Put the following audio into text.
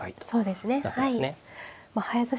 そうですねはい。